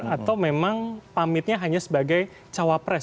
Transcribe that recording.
atau memang pamitnya hanya sebagai cawapres